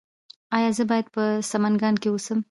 ایا زه باید په سمنګان کې اوسم؟